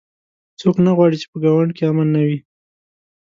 څوک نه غواړي چې په ګاونډ کې امن نه وي